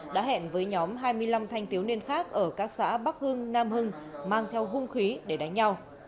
đã hẹn với nhóm hai mươi năm thanh thiếu niên khác ở các xã bắc hưng nam hưng mang theo hung khí để đánh nhau